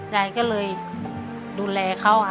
ยายก็เลยดูแลเขา